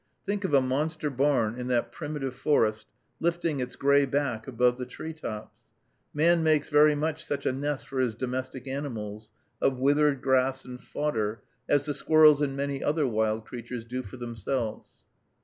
Think of a monster barn in that primitive forest lifting its gray back above the tree tops! Man makes very much such a nest for his domestic animals, of withered grass and fodder, as the squirrels and many other wild creatures do for themselves.